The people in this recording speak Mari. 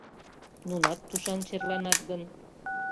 Нунат тушан черланат гын?